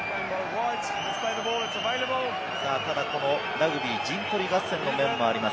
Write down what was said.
ラグビーは陣取り合戦の面もあります。